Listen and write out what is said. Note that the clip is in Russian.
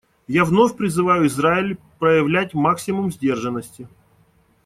Я вновь призываю Израиль проявлять максимум сдержанности.